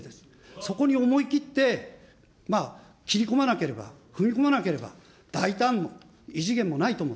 そこに思い切って切り込まなければ、踏み込まなければ、大胆も異次元もないと思う。